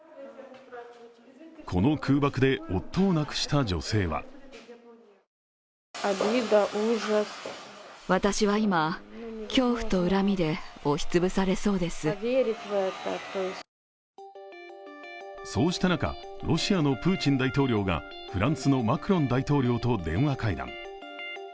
この空爆で夫を亡くした女性はそうした中、ロシアのプーチン大統領がフランスのマクロン大統領と電話会談。